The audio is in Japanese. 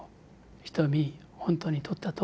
「ひとみ本当にとったと？」